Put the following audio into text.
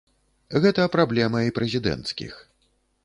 Гэта праблема і прэзідэнцкіх.